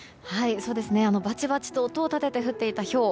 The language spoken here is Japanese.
バチバチと音を立てて降っていたひょう